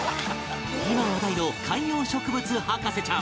今話題の観葉植物博士ちゃん